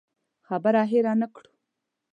خبره هېره نه کړو.